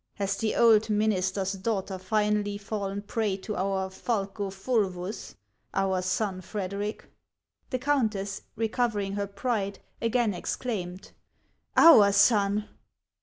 Has the old minister's daughter finally fallen a prey to our falco fulvus, our son Frederic ?" The countess, recovering her pride, again exclaimed : "Our son!"